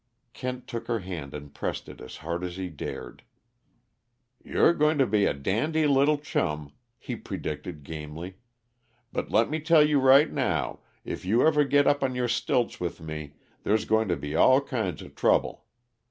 Kent took her hand and pressed it as hard as he dared. "You're going to be a dandy little chum," he predicted gamely. "But let me tell you right now, if you ever get up on your stilts with me, there's going to be all kinds of trouble.